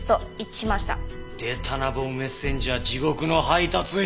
出たなボム・メッセンジャー地獄の配達員！